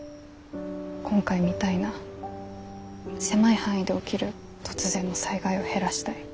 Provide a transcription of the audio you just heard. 今回みたいな狭い範囲で起きる突然の災害を減らしたい。